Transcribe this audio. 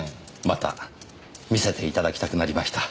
また見せていただきたくなりました。